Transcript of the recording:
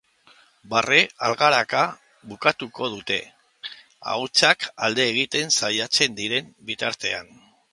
Barre-algaraka bukatuko dute, ahuntzak alde egiten saiatzen diren bitartean.